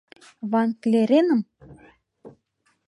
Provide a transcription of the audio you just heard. — Ван-Клереным?